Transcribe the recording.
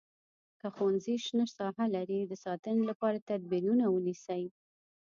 که ښوونځی شنه ساحه لري د ساتنې لپاره تدبیرونه ونیسئ.